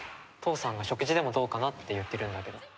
父さんが食事でもどうかなって言ってるんだけど。